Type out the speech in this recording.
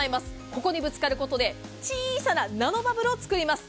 ここにぶつかることで小さなナノバブルを作ります。